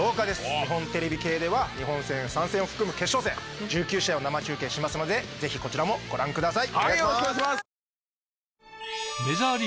日本テレビ系では日本戦３戦を含む決勝戦１９試合を生中継しますのでぜひこちらもご覧ください！